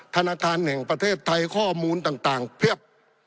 ธนาคารแห่งประเทศไทยข้อมูลต่างเพียบ